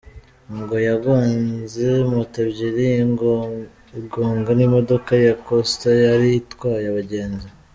Ngo yagonze moto ebyiri, igonga n’imodoka ya Coaster yari itwaye abagenzi.